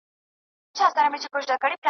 چي د بې ذاته اشنايي کا اور به بل په خپل تندي کا